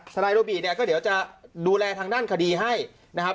นายโรบีเนี่ยก็เดี๋ยวจะดูแลทางด้านคดีให้นะครับ